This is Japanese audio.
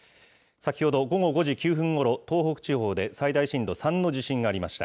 先ほど午後５時９分ごろ、東北地方で最大震度３の地震がありました。